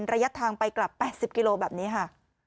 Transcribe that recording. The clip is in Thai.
ระยะทางไปกลับ๘๐กิโลแบบนี้ค่ะ